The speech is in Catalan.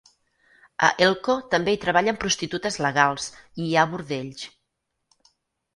A Elko també hi treballen prostitutes legals i hi ha bordells.